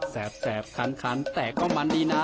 แสบคันแต่ก็มันดีนะ